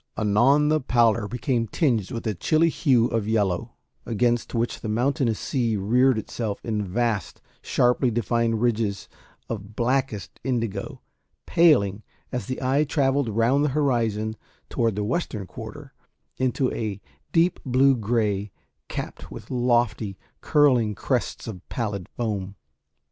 Anon the pallor became tinged with a chilly hue of yellow, against which the mountainous sea reared itself in vast sharply defined ridges of blackest indigo, paling, as the eye travelled round the horizon toward the western quarter, into a deep blue grey, capped with lofty, curling crests of pallid foam.